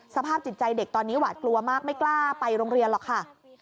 สภาพจิตใจเด็กตอนนี้หวาดกลัวมากไม่กล้าไปโรงเรียนหรอกค่ะ